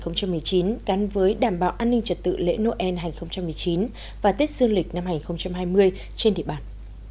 gắn với đảm bảo an ninh trật tự lễ noel hai nghìn một mươi chín và tết sương lịch năm hai nghìn hai mươi trên địa bàn